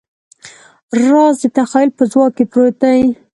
راز د تخیل په ځواک کې پروت دی.